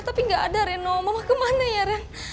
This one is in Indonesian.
tapi gak ada reno mama kemana ya reno